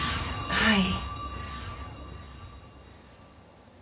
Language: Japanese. はい。